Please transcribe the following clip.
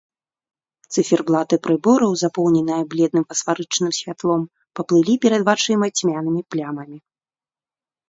Цыферблаты прыбораў, запоўненыя бледным фасфарычным святлом, паплылі перад вачыма цьмянымі плямамі.